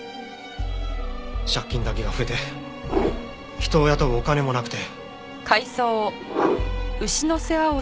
借金だけが増えて人を雇うお金もなくて。